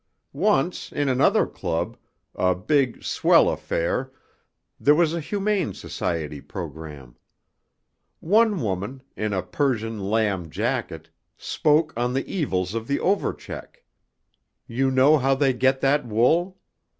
Once in another club, a big, swell affair, there was a Humane Society programme. One woman, in a Persian lamb jacket, spoke on the evils of the overcheck; you know how they get that wool?